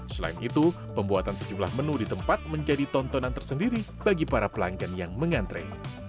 selain itu pembuatan sejumlah menu di tempat menjadi tontonan tersendiri bagi para pelanggan yang mengantre